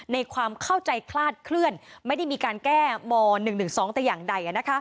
ในความเข้าใจคลาดเคลื่อนไม่ได้มีการแก้ม๑๑๒แต่อย่างใด